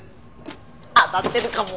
当たってるかも。